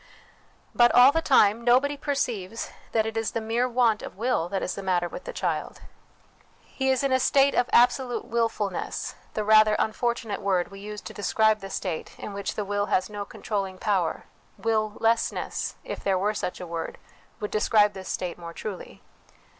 But, all the time, nobody perceives that it is the mere want of will that is the matter with the child. He is THE WILL CONSCIENCE DIVINE LIFE 32! in a state of absolute 'wilfulness/ the rather un fortunate word we use to describe the state in which the will has no controlling power ; willessness, if there were such a word, would describe this state more truly.